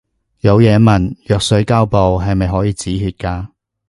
有嘢問，藥水膠布係咪可以止血㗎